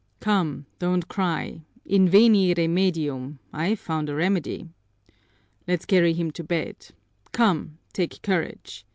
"Come, don't cry. Inveni remedium: I've found a remedy. Let's carry him to bed. Come, take courage!